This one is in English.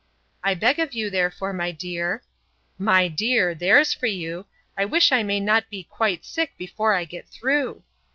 '—I beg of you, therefore, my dear—'My dear! there's for you!—I wish I may not be quite sick before I get through.